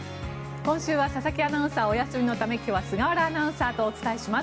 今週は佐々木アナウンサーお休みのため今日は菅原アナウンサーとお伝えします。